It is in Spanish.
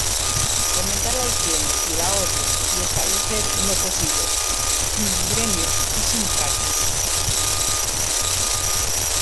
Fomentar la higiene y el ahorro y establecer, en lo posible, gremios y sindicatos".